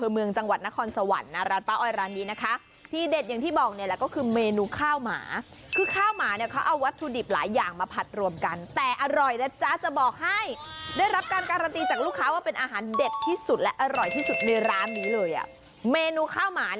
มีเมนูข้าวหมา